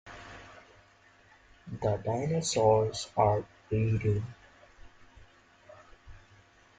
The dinosaurs are breeding!